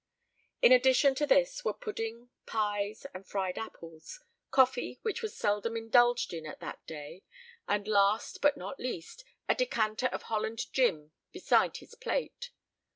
In addition to this were pudding, pies, and fried apples; coffee, which was seldom indulged in at that day; and last, but not least, a decanter of Holland gin beside his plate.